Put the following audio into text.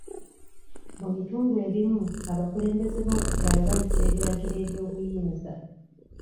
Mu bitundu ebimu abakulembeze b'oku kyalo bayisa ebiragiro eby'obuyinza .